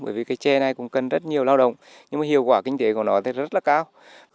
bởi vì cái chè này cũng cần rất nhiều lao động nhưng mà hiệu quả kinh tế của nó thì rất là cao